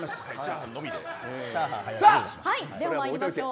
ではまいりましょう。